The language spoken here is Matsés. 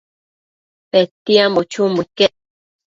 Petiambo chumbo iquec